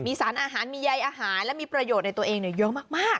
สารอาหารมีใยอาหารและมีประโยชน์ในตัวเองเยอะมาก